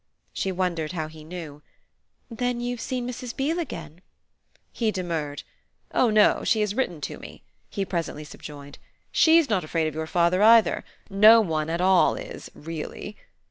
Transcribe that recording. She wondered how he knew. "Then you've seen Mrs. Beale again?" He demurred. "Oh no. She has written to me," he presently subjoined. "SHE'S not afraid of your father either. No one at all is really."